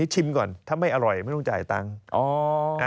ชิมก่อนถ้าไม่อร่อยไม่ต้องจ่ายตังค์